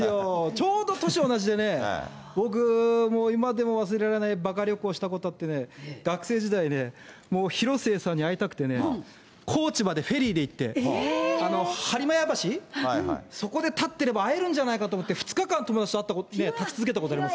ちょうど年同じでね、僕、今でも忘れられない、ばか旅行したことってね、学生時代、広末さんに会いたくてね、高知までフェリーで行って、はりまや橋、そこで立ってれば会えるんじゃないかと思って、２日間友達と立ち続けたことあります。